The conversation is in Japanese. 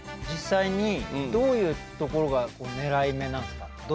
実際にどういうところがこう狙い目なんですか？